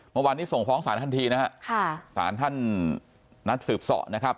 เมื่อวานนี้ส่งฟ้องสารทันทีนะฮะค่ะสารท่านนัดสืบสอบนะครับ